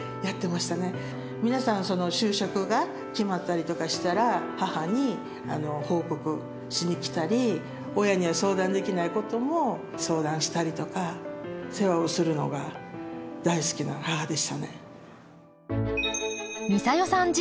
皆さん就職が決まったりとかしたら母に報告しに来たり親には相談できないことも相談したりとか世話をするのが大好きな母でしたね。